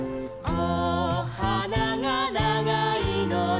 おはながながいのね」